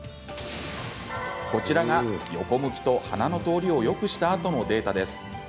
こちらが、横向きと鼻の通りをよくしたあとのデータです。